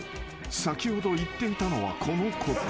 先ほど言っていたのはこのこと］